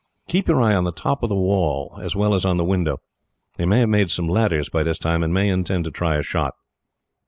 "Keep your eye on the top of the wall, as well as on the window. They may have made some ladders by this time, and may intend to try a shot."